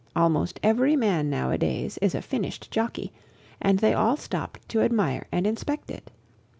Almost every man nowadays is a finished jockey, and they all stopped to admire and inspect it.